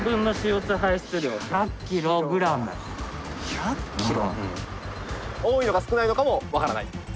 １００ｋｇ？多いのか少ないのかも分からない。